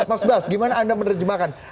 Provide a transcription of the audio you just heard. mas bas gimana anda menerjemahkan